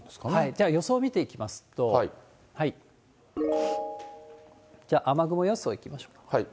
じゃあ、予想見ていきますと、雨雲予想いきましょう。